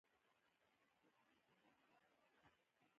او دواړو ته منګي پراتۀ دي